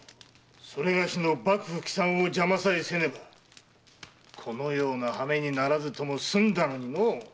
某の幕府帰参を邪魔さえせねばこのような羽目にならずとも済んだのにのう。